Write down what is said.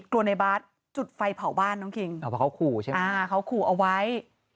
ในบาร์ดจุดไฟเผาบ้านน้องคิงเพราะเขาขู่ใช่ไหมอ่าเขาขู่เอาไว้